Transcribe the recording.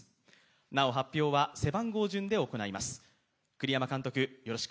なお、発表は背番号順で行います。